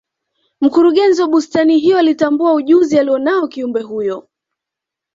mkurugenzi wa bustani hiyo alitambua ujunzi aliyo nao kiumbe huyo